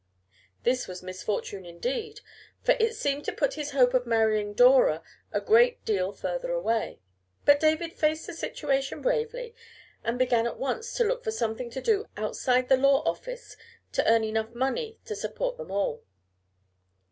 This was misfortune indeed, for it seemed to put his hope of marrying Dora a great deal further away; but David faced the situation bravely and began at once to look for something to do outside of the law office to earn money enough to support them all.